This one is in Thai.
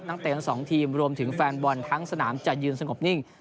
เตะทั้งสองทีมรวมถึงแฟนบอลทั้งสนามจะยืนสงบนิ่ง